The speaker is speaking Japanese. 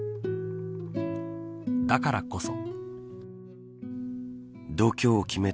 だからこそ。